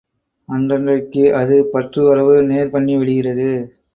அன்றன்றைக்கு, அது பற்றுவரவு நேர் பண்ணி விடுகிறது.